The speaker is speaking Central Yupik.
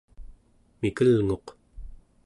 mikelnguq